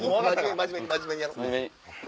真面目にやろう。